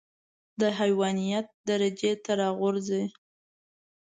د حيوانيت درجې ته راغورځي.